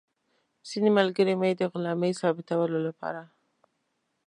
ځینې ملګري مې د غلامۍ ثابتولو لپاره.